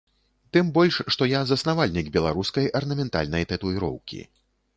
Тым больш, што я заснавальнік беларускай арнаментальнай татуіроўкі.